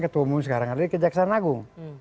ketua umum sekarang ada di kejaksaan agung